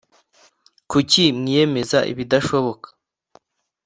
Kuki mwiyemeza ibidashoboka